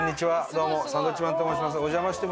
どうもサンドウィッチマンと申します。